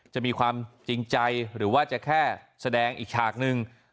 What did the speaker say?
จะมีความจริงใจหรือว่าจะแค่แสดงอีกฉากหนึ่ง